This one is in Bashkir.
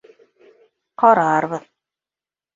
Ҡарарбыҙ...